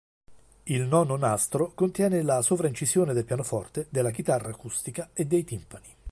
Il nono nastro contiene la sovraincisione del pianoforte, della chitarra acustica e dei timpani.